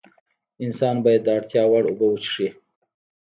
انسان باید د اړتیا وړ اوبه وڅښي